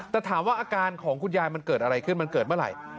แต่ถามว่าอาการของคุณยายมันเกิดอะไรขึ้นมันเกิดเมื่อไหร่